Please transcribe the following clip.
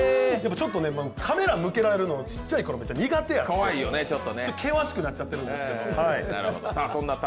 ちょっとカメラ向けられるの、ちっちゃいころ苦手で険しくなっちゃってるんですけど。